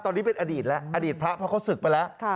ตอนนี้เป็นอดีตแล้วอดีตพระเพราะเขาศึกไปแล้ว